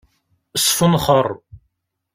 Sfenxeṛ.